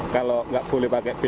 kalau gak boleh pake b satu